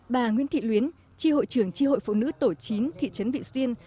bà nguyễn thị luyến chi hội trưởng chi hội phụ nữ tổ chính thị trấn vị xuyên